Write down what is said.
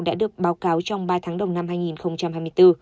đã được báo cáo trong ba tháng đầu năm hai nghìn hai mươi bốn